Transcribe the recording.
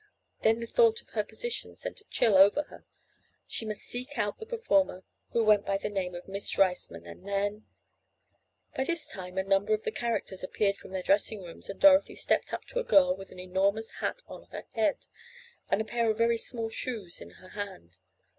Then the thought of her position sent a chill over her. She must seek out the performer who went by the name of Miss Riceman, and then— By this time a number of the characters appeared from their dressing rooms, and Dorothy stepped up to a girl with an enormous hat on her head, and a pair of very small shoes in her hand.